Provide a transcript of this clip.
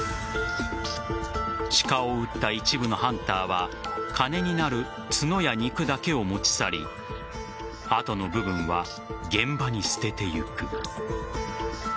鹿を撃った一部のハンターは金になる角や肉だけを持ち去りあとの部分は現場に捨ててゆく。